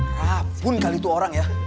rabun kali itu orang ya